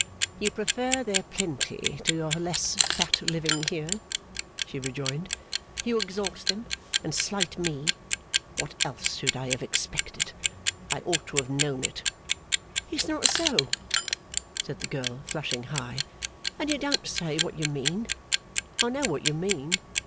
'You prefer their plenty to your less fat living here,' she rejoined. 'You exalt them, and slight me. What else should I have expected? I ought to have known it.' 'It's not so,' said the girl, flushing high, 'and you don't say what you mean. I know what you mean.